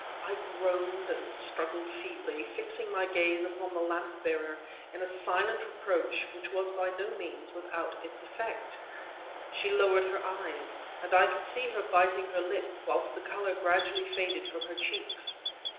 I groaned and struggled feebly, fixing my gaze upon the lamp bearer in a silent reproach which was by no means without its effect. She lowered her eyes, and I could see her biting her lip, whilst the color gradually faded from her cheeks.